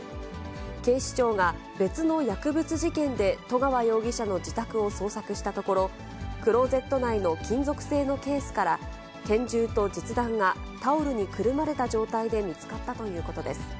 警視庁が、別の薬物事件で十川容疑者の自宅を捜索したところ、クローゼット内の金属製のケースから、拳銃と実弾がタオルにくるまれた状態で見つかったということです。